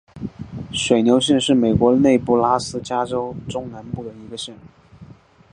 水牛县是美国内布拉斯加州中南部的一个县。